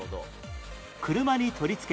車に取りつけ